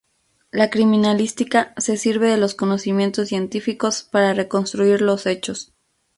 La criminalística se sirve de los conocimientos científicos para reconstruir los hechos.